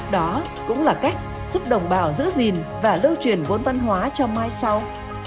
đó cũng là cách giúp đồng bào giữ gìn và lưu truyền vốn văn hóa cho mai sau